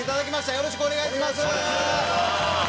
よろしくお願いします。